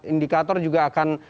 indikator juga akan